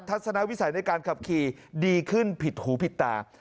ทศนวิสัยในการขับขี่ดีขึ้นผิดหูผิดตา